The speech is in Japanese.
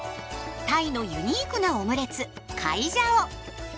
タイのユニークなオムレツカイジャオ。